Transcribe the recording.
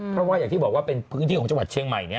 เพราะว่าอย่างที่บอกว่าเป็นพื้นที่ของจังหวัดเชียงใหม่